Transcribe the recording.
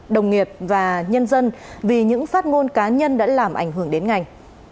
đồng nghiệp và nhân dân vì những phát ngôn cá nhân đã làm ảnh hưởng đến ngành